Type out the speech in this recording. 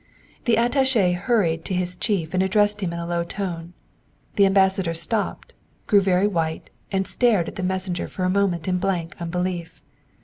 The attaché hurried to his chief and addressed him in a low tone. The Ambassador stopped, grew very white, and stared at the messenger for a moment in blank unbelief.